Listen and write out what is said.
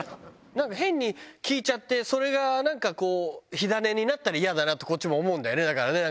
なんか変に聞いちゃってそれがなんかこう、火種になったら嫌だなってこっちも思うんだよね、だからね。